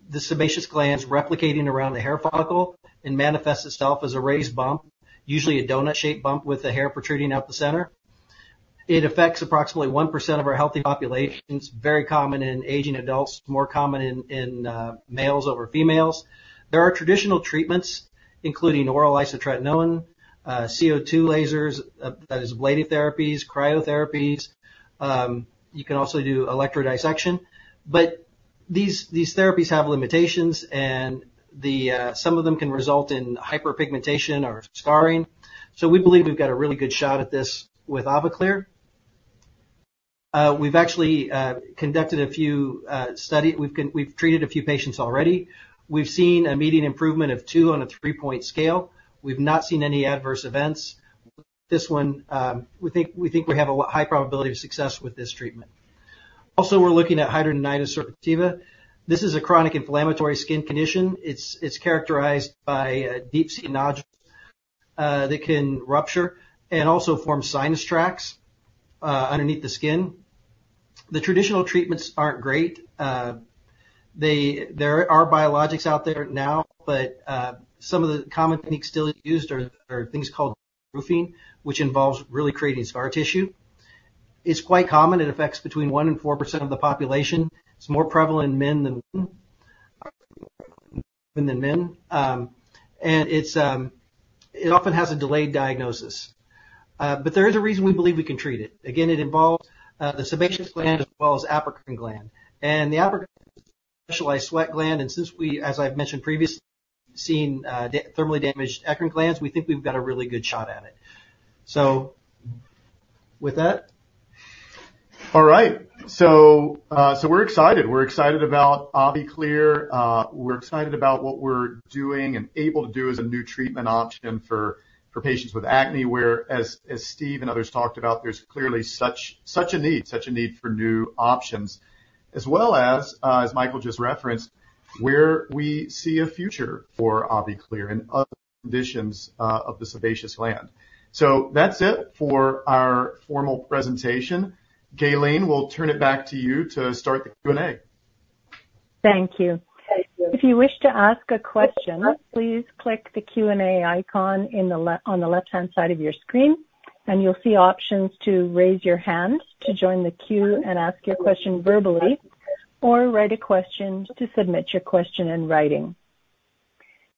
the sebaceous glands replicating around the hair follicle and manifests itself as a raised bump, usually a donut-shaped bump with the hair protruding out the center. It affects approximately 1% of our healthy populations, very common in aging adults, more common in males over females. There are traditional treatments, including oral isotretinoin, CO2 lasers, that is, ablative therapies, cryotherapies. You can also do electrodesiccation. But these therapies have limitations, and some of them can result in hyperpigmentation or scarring. So we believe we've got a really good shot at this with AviClear. We've actually conducted a few studies. We've treated a few patients already. We've seen a median improvement of two on a three-point scale. We've not seen any adverse events. This one, we think we have a high probability of success with this treatment. Also, we're looking at hidradenitis suppurativa. This is a chronic inflammatory skin condition. It's characterized by deep skin nodules that can rupture and also form sinus tracts underneath the skin. The traditional treatments aren't great. There are biologics out there now, but some of the common techniques still used are things called deroofing, which involves really creating scar tissue. It's quite common. It affects between 1%-4% of the population. It's more prevalent in men than women. And it often has a delayed diagnosis. But there is a reason we believe we can treat it. Again, it involves the sebaceous gland as well as apocrine gland. And the apocrine gland is a specialized sweat gland. Since we, as I've mentioned previously, have seen thermally damaged eccrine glands, we think we've got a really good shot at it. So with that. All right. So we're excited. We're excited about AviClear. We're excited about what we're doing and able to do as a new treatment option for patients with acne, whereas Steve and others talked about there's clearly such a need, such a need for new options, as well as, as Michael just referenced, where we see a future for AviClear and other conditions of the sebaceous gland. So that's it for our formal presentation. Gaylene, we'll turn it back to you to start the Q&A. Thank you. If you wish to ask a question, please click the Q&A icon on the left-hand side of your screen, and you'll see options to raise your hand to join the queue and ask your question verbally or write a question to submit your question in writing.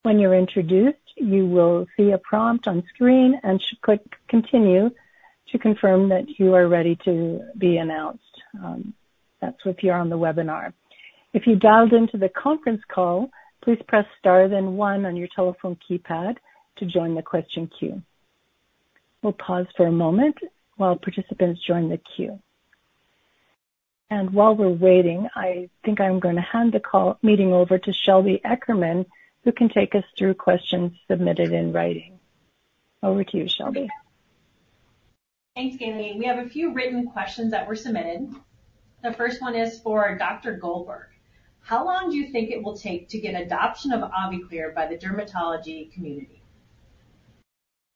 When you're introduced, you will see a prompt on screen and should click Continue to confirm that you are ready to be announced. That's if you're on the webinar. If you dialed into the conference call, please press Star then 1 on your telephone keypad to join the question queue. We'll pause for a moment while participants join the queue. And while we're waiting, I think I'm going to hand the meeting over to Shelby Eckerman, who can take us through questions submitted in writing. Over to you, Shelby. Thanks, Gaylene. We have a few written questions that were submitted. The first one is for Dr. Goldberg. How long do you think it will take to get adoption of AviClear by the dermatology community?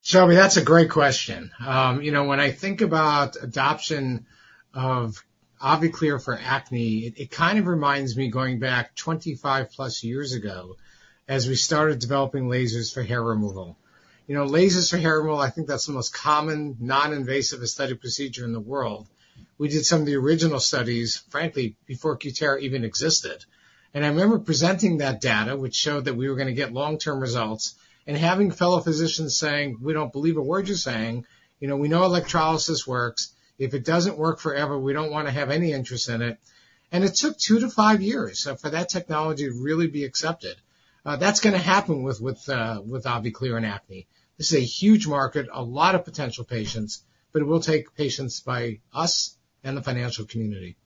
Shelby, that's a great question. When I think about adoption of AviClear for acne, it kind of reminds me going back 25+ years ago as we started developing lasers for hair removal. Lasers for hair removal, I think that's the most common non-invasive aesthetic procedure in the world. We did some of the original studies, frankly, before Cutera even existed. And I remember presenting that data, which showed that we were going to get long-term results, and having fellow physicians saying, "We don't believe a word you're saying. We know electrolysis works. If it doesn't work forever, we don't want to have any interest in it." And it took 2-5 years for that technology to really be accepted. That's going to happen with AviClear and acne. This is a huge market, a lot of potential patients, but it will take patients by us and the financial community.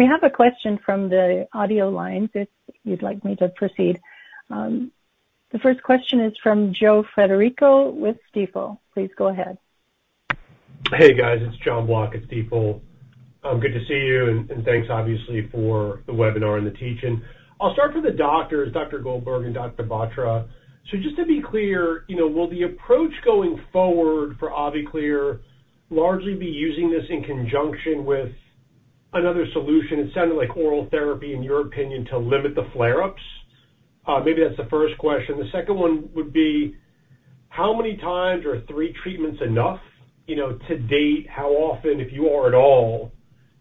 We have a question from the audio line. If you'd like me to proceed, the first question is from Joe Federico with Stifel. Please go ahead. Hey, guys. It's Jon Block at Stifel. Good to see you. Thanks, obviously, for the webinar and the teaching. I'll start for the doctors, Dr. Goldberg and Dr. Batra. So just to be clear, will the approach going forward for AviClear largely be using this in conjunction with another solution? It sounded like oral therapy, in your opinion, to limit the flare-ups. Maybe that's the first question. The second one would be, how many times are three treatments enough to date? How often, if you are at all,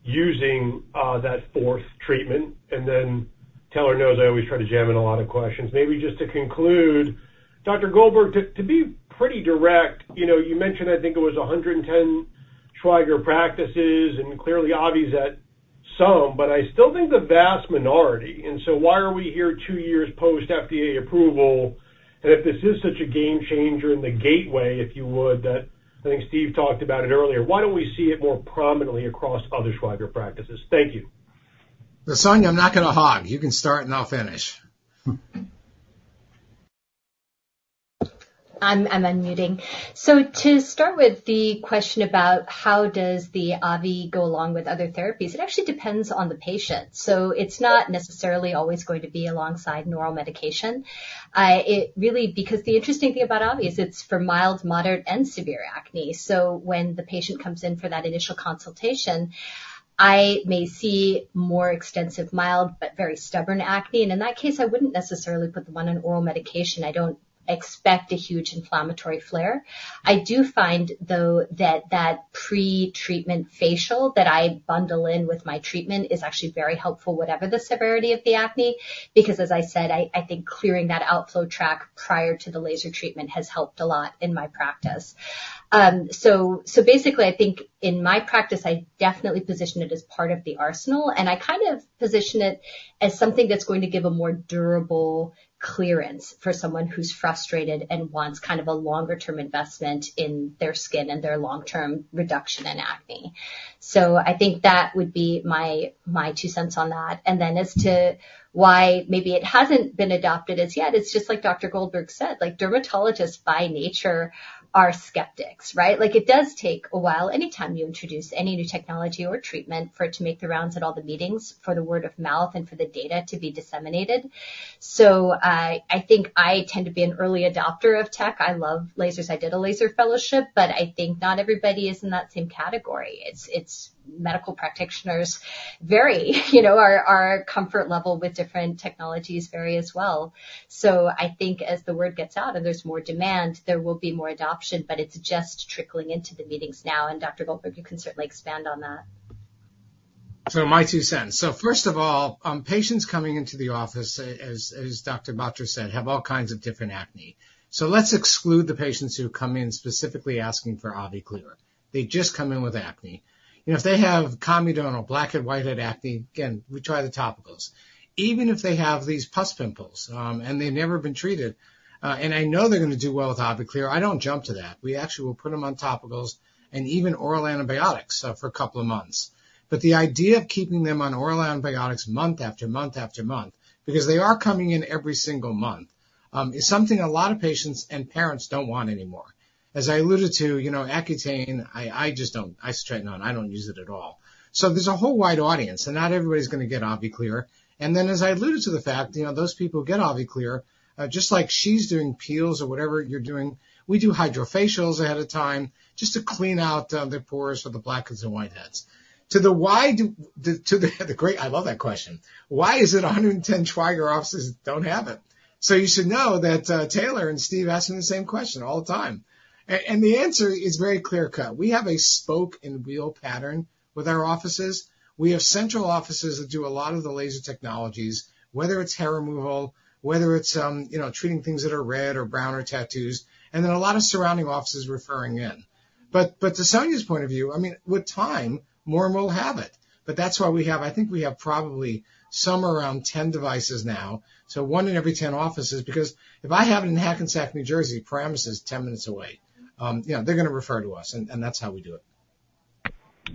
using that fourth treatment? Then Taylor knows. I always try to jam in a lot of questions. Maybe just to conclude, Dr. Goldberg, to be pretty direct, you mentioned, I think it was 110 Schweiger practices, and clearly Avi's at some, but I still think the vast minority. So why are we here 2 years post-FDA approval? And if this is such a game changer in the gateway, if you would, that I think Steve talked about it earlier, why don't we see it more prominently across other Schweiger practices? Thank you. The question, I'm not going to hog. You can start and I'll finish. I'm unmuting. So to start with the question about how does the Avi go along with other therapies, it actually depends on the patient. So it's not necessarily always going to be alongside normal medication. Because the interesting thing about Avi is it's for mild, moderate, and severe acne. So when the patient comes in for that initial consultation, I may see more extensive mild but very stubborn acne. And in that case, I wouldn't necessarily put them on an oral medication. I don't expect a huge inflammatory flare. I do find, though, that that pre-treatment facial that I bundle in with my treatment is actually very helpful, whatever the severity of the acne, because, as I said, I think clearing that outflow tract prior to the laser treatment has helped a lot in my practice. So basically, I think in my practice, I definitely position it as part of the arsenal. And I kind of position it as something that's going to give a more durable clearance for someone who's frustrated and wants kind of a longer-term investment in their skin and their long-term reduction in acne. So I think that would be my two cents on that. And then as to why maybe it hasn't been adopted as yet, it's just like Dr. Goldberg said, dermatologists by nature are skeptics, right? It does take a while anytime you introduce any new technology or treatment for it to make the rounds at all the meetings for the word of mouth and for the data to be disseminated. So I think I tend to be an early adopter of tech. I love lasers. I did a laser fellowship, but I think not everybody is in that same category. It's medical practitioners vary. Our comfort level with different technologies vary as well. So I think as the word gets out and there's more demand, there will be more adoption, but it's just trickling into the meetings now. And Dr. Goldberg, you can certainly expand on that. So my two cents. So first of all, patients coming into the office, as Dr. Batra said, have all kinds of different acne. So let's exclude the patients who come in specifically asking for AviClear. They just come in with acne. If they have comedonal, blackhead and whitehead acne, again, we try the topicals. Even if they have these pus pimples and they've never been treated, and I know they're going to do well with AviClear, I don't jump to that. We actually will put them on topicals and even oral antibiotics for a couple of months. But the idea of keeping them on oral antibiotics month after month after month, because they are coming in every single month, is something a lot of patients and parents don't want anymore. As I alluded to, Accutane, I just don't, I swear to God, I don't use it at all. So there's a whole wide audience, and not everybody's going to get AviClear. And then as I alluded to the fact, those people who get AviClear, just like she's doing peels or whatever you're doing, we do HydraFacials ahead of time just to clean out the pores for the blackheads and whiteheads. To the great, I love that question. Why is it 110 Schweiger offices don't have it? So you should know that Taylor and Steve ask me the same question all the time. And the answer is very clear-cut. We have a spoke and wheel pattern with our offices. We have central offices that do a lot of the laser technologies, whether it's hair removal, whether it's treating things that are red or brown or tattoos, and then a lot of surrounding offices referring in. But to Sonia's point of view, I mean, with time, more and more will have it. But that's why we have, I think we have probably somewhere around 10 devices now, so one in every 10 offices, because if I have it in Hackensack, New Jersey, Paramus is 10 minutes away, they're going to refer to us, and that's how we do it.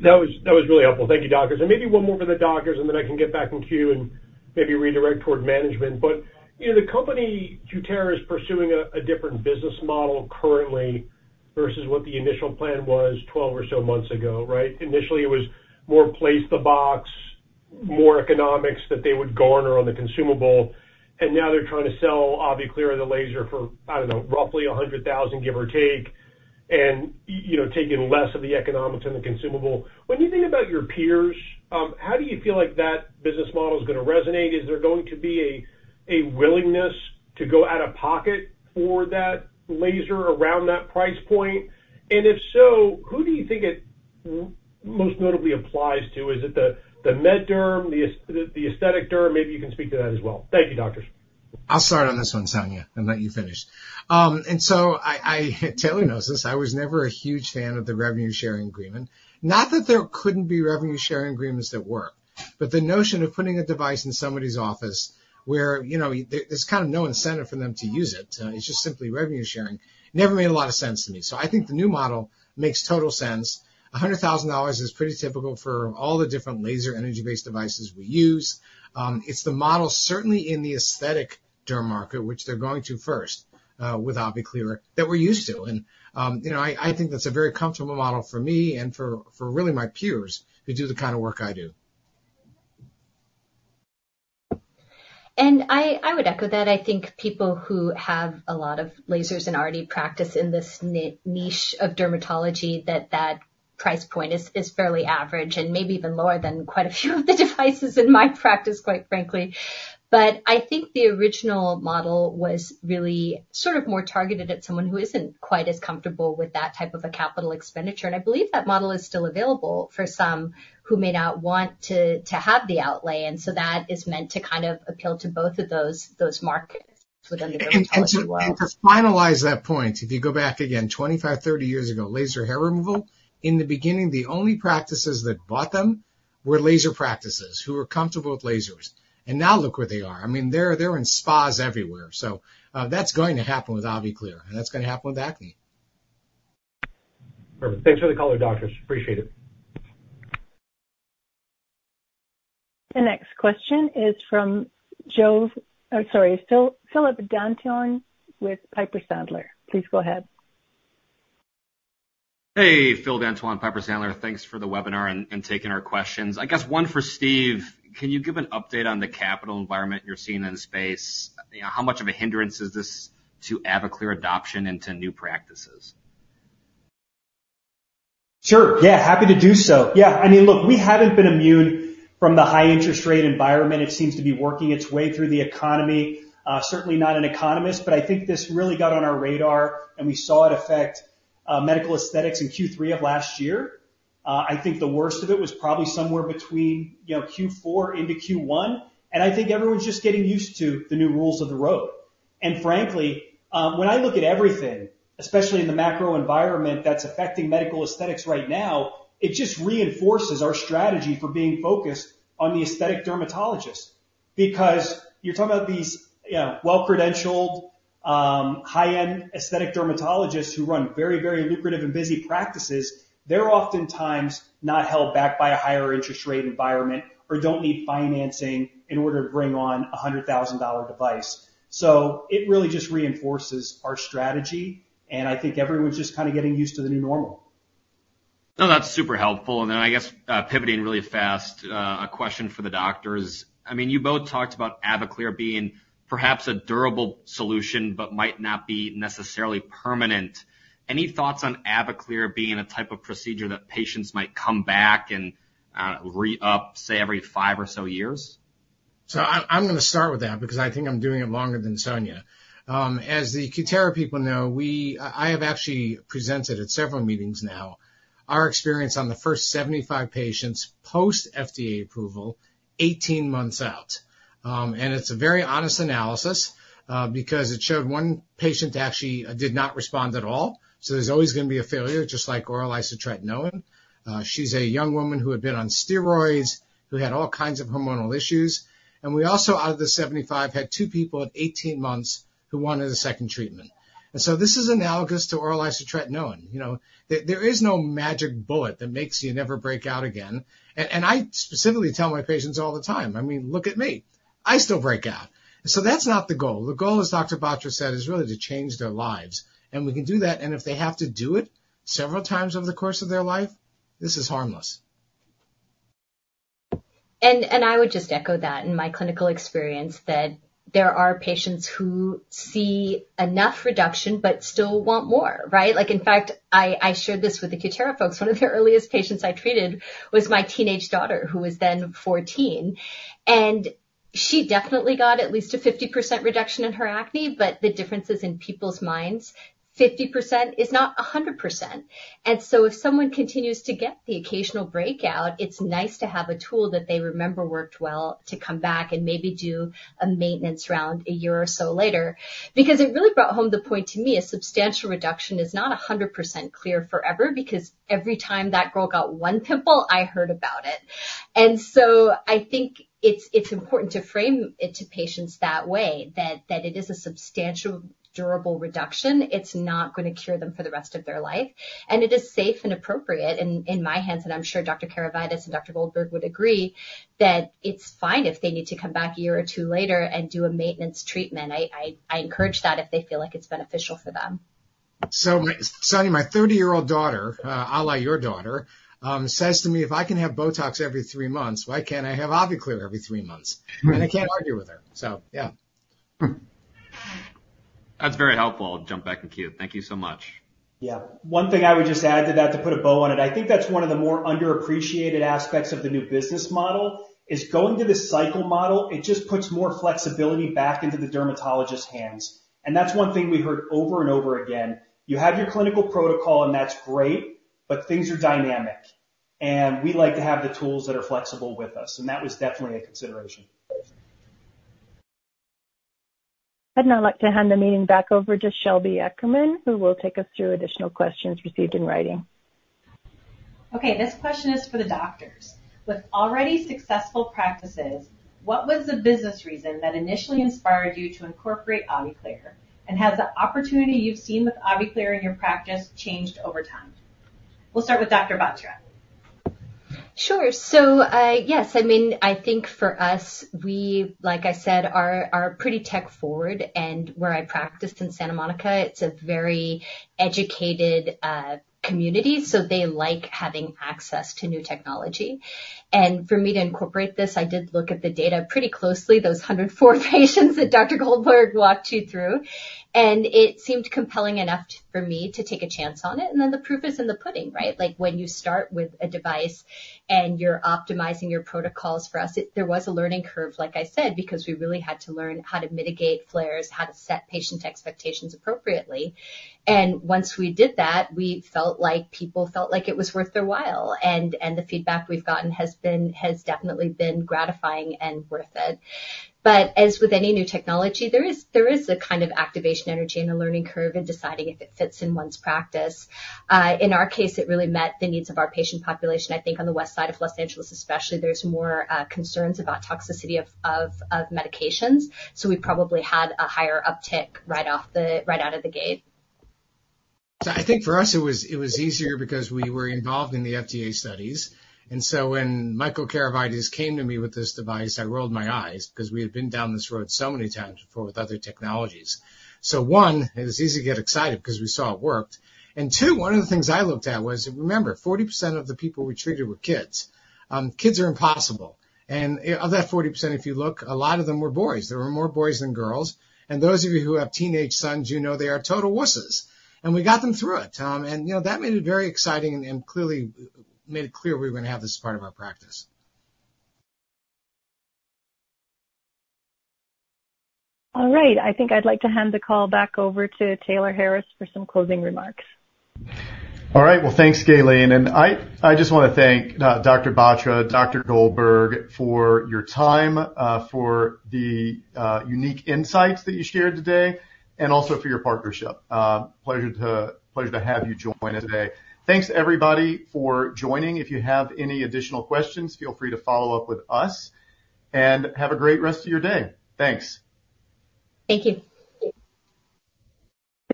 That was really helpful. Thank you, doctors. And maybe one more for the doctors, and then I can get back in queue and maybe redirect toward management. But the company Cutera is pursuing a different business model currently versus what the initial plan was 12 or so months ago, right? Initially, it was more place the box, more economics that they would garner on the consumable. And now they're trying to sell AviClear or the laser for, I don't know, roughly $100,000, give or take, and taking less of the economics and the consumable. When you think about your peers, how do you feel like that business model is going to resonate? Is there going to be a willingness to go out of pocket for that laser around that price point? And if so, who do you think it most notably applies to? Is it the med derm, the aesthetic derm? Maybe you can speak to that as well. Thank you, doctors. I'll start on this one, Sonia, and let you finish. And so Taylor knows this. I was never a huge fan of the revenue-sharing agreement. Not that there couldn't be revenue-sharing agreements that work, but the notion of putting a device in somebody's office where there's kind of no incentive for them to use it, it's just simply revenue-sharing, never made a lot of sense to me. I think the new model makes total sense. $100,000 is pretty typical for all the different laser energy-based devices we use. It's the model, certainly in the aesthetic derm market, which they're going to first with AviClear that we're used to. And I think that's a very comfortable model for me and for really my peers to do the kind of work I do. And I would echo that. I think people who have a lot of lasers and already practice in this niche of dermatology, that that price point is fairly average and maybe even lower than quite a few of the devices in my practice, quite frankly. But I think the original model was really sort of more targeted at someone who isn't quite as comfortable with that type of a capital expenditure. And I believe that model is still available for some who may not want to have the outlay. And so that is meant to kind of appeal to both of those markets within the dermatology world. To finalize that point, if you go back again, 25, 30 years ago, laser hair removal, in the beginning, the only practices that bought them were laser practices who were comfortable with lasers. And now look where they are. I mean, they're in spas everywhere. So that's going to happen with AviClear, and that's going to happen with acne. Perfect. Thanks for the caller, doctors. Appreciate it. The next question is from Joe, sorry, Phil Dantoin with Piper Sandler. Please go ahead. Hey, Phil Dantoin, Piper Sandler. Thanks for the webinar and taking our questions. I guess one for Steve, can you give an update on the capital environment you're seeing in the space? Sure. Yeah, happy to do so. Yeah. I mean, look, we haven't been immune from the high-interest rate environment. It seems to be working its way through the economy. Certainly not an economist, but I think this really got on our radar, and we saw it affect medical aesthetics in Q3 of last year. I think the worst of it was probably somewhere between Q4 into Q1. I think everyone's just getting used to the new rules of the road. And frankly, when I look at everything, especially in the macro environment that's affecting medical aesthetics right now, it just reinforces our strategy for being focused on the aesthetic dermatologists. Because you're talking about these well-credentialed, high-end aesthetic dermatologists who run very, very lucrative and busy practices, they're oftentimes not held back by a higher interest rate environment or don't need financing in order to bring on a $100,000 device. So it really just reinforces our strategy, and I think everyone's just kind of getting used to the new normal. No, that's super helpful. And then I guess pivoting really fast, a question for the doctors. I mean, you both talked about AviClear being perhaps a durable solution, but might not be necessarily permanent. Any thoughts on AviClear being a type of procedure that patients might come back and re-up, say, every five or so years? So I'm going to start with that because I think I'm doing it longer than Sonia. As the Cutera people know, I have actually presented at several meetings now, our experience on the first 75 patients post-FDA approval, 18 months out. And it's a very honest analysis because it showed one patient actually did not respond at all. So there's always going to be a failure, just like oral isotretinoin. She's a young woman who had been on steroids, who had all kinds of hormonal issues. And we also, out of the 75, had two people at 18 months who wanted a second treatment. And so this is analogous to oral isotretinoin. There is no magic bullet that makes you never break out again. And I specifically tell my patients all the time, I mean, look at me. I still break out. So that's not the goal. The goal, as Dr. Batra said, is really to change their lives. And we can do that. And if they have to do it several times over the course of their life, this is harmless. And I would just echo that in my clinical experience that there are patients who see enough reduction but still want more, right? In fact, I shared this with the Cutera folks. One of the earliest patients I treated was my teenage daughter, who was then 14. And she definitely got at least a 50% reduction in her acne, but the difference is in people's minds. 50% is not 100%. So if someone continues to get the occasional breakout, it's nice to have a tool that they remember worked well to come back and maybe do a maintenance round a year or so later. Because it really brought home the point to me, a substantial reduction is not 100% clear forever because every time that girl got one pimple, I heard about it. So I think it's important to frame it to patients that way, that it is a substantial, durable reduction. It's not going to cure them for the rest of their life. And it is safe and appropriate in my hands, and I'm sure Dr. Karavitis and Dr. Goldberg would agree that it's fine if they need to come back a year or two later and do a maintenance treatment. I encourage that if they feel like it's beneficial for them. So Sonia, my 30-year-old daughter, à la your daughter, says to me, "If I can have Botox every 3 months, why can't I have AviClear every 3 months?" And I can't argue with her. So yeah. That's very helpful. I'll jump back in queue. Thank you so much. Yeah. One thing I would just add to that, to put a bow on it, I think that's one of the more underappreciated aspects of the new business model is going to the cycle model. It just puts more flexibility back into the dermatologist's hands. And that's one thing we heard over and over again. You have your clinical protocol, and that's great, but things are dynamic. And we like to have the tools that are flexible with us. And that was definitely a consideration. I'd now like to hand the meeting back over to Shelby Eckerman, who will take us through additional questions received in writing. Okay. This question is for the doctors. With already successful practices, what was the business reason that initially inspired you to incorporate AviClear? And has the opportunity you've seen with AviClear in your practice changed over time? We'll start with Dr. Batra. Sure. So yes, I mean, I think for us, we, like I said, are pretty tech-forward. And where I practiced in Santa Monica, it's a very educated community, so they like having access to new technology. And for me to incorporate this, I did look at the data pretty closely, those 104 patients that Dr. Goldberg walked you through. And it seemed compelling enough for me to take a chance on it. And then the proof is in the pudding, right? When you start with a device and you're optimizing your protocols for us, there was a learning curve, like I said, because we really had to learn how to mitigate flares, how to set patient expectations appropriately. And once we did that, we felt like people felt like it was worth their while. And the feedback we've gotten has definitely been gratifying and worth it. But as with any new technology, there is a kind of activation energy and a learning curve in deciding if it fits in one's practice. In our case, it really met the needs of our patient population. I think on the west side of Los Angeles, especially, there's more concerns about toxicity of medications. So we probably had a higher uptick right out of the gate. So I think for us, it was easier because we were involved in the FDA studies. And so when Michael Karavitis came to me with this device, I rolled my eyes because we had been down this road so many times before with other technologies. So one, it was easy to get excited because we saw it worked. And two, one of the things I looked at was, remember, 40% of the people we treated were kids. Kids are impossible. And of that 40%, if you look, a lot of them were boys. There were more boys than girls. And those of you who have teenage sons, you know they are total wusses. And we got them through it. And that made it very exciting and clearly made it clear we were going to have this as part of our practice. All right. I think I'd like to hand the call back over to Taylor Harris for some closing remarks. All right. Well, thanks, Gaylene. I just want to thank Dr. Batra, Dr. Goldberg for your time, for the unique insights that you shared today, and also for your partnership. Pleasure to have you join us today. Thanks to everybody for joining. If you have any additional questions, feel free to follow up with us. Have a great rest of your day. Thanks. Thank you.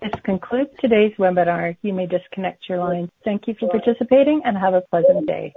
This concludes today's webinar. You may disconnect your line. Thank you for participating, and have a pleasant day.